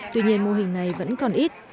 tuy nhiên mô hình này vẫn còn ít